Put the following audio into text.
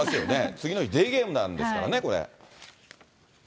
次の日、デーゲームなんですからね、これ。